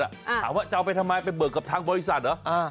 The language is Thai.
ถามว่าจะเอาไปทำไมไปเบิกกับทางบริษัทเหรอ